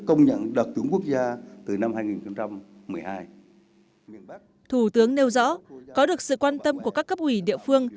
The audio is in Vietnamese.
có được sự quan tâm của các cấp ủy địa phương